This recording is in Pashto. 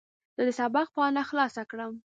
زه د سبق پاڼه خلاصه کړم.